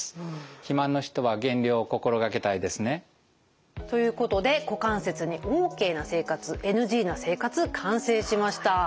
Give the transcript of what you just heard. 肥満の人は減量を心掛けたいですね。ということで股関節にＯＫな生活ＮＧな生活完成しました。